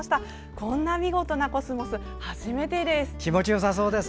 こんな見事なコスモス初めてです。